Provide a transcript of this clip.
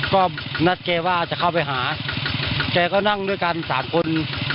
ก็นัดแกว่าจะเข้าไปหาแกก็นั่งด้วยกันสามคน